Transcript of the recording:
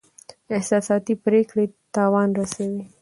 احساساتي پریکړې تاوان رسوي.